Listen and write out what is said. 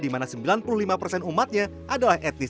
di mana sembilan puluh lima persen umatnya adalah etnis